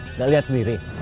nggak liat sendiri